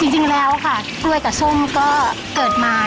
จริงแล้วค่ะกล้วยกับส้มก็เกิดมา